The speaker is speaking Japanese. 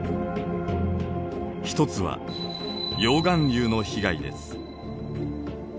一つは溶岩流の被害です。